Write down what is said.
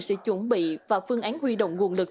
sự chuẩn bị và phương án huy động nguồn lực